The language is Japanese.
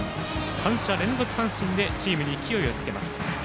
３者連続三振でチームに勢いをつけます。